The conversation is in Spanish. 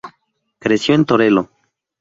Creció en Torelló.